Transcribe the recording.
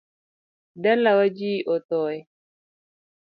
Dalawa ji othoe